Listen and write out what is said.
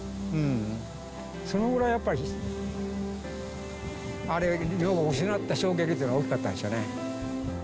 そのぐらいやっぱり、あれ、女房を失った衝撃っていうのは大きかったですよね。